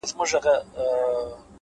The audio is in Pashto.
علم د ژوند معنا ژوروي